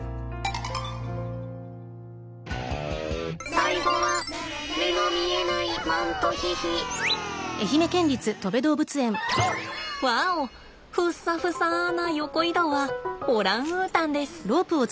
最後はワオふっさふさな横移動はオランウータンです。